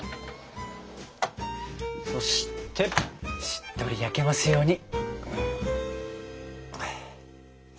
そしてしっとり焼けますように。